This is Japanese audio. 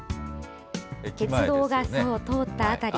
鉄道が通った辺り。